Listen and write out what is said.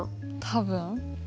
多分。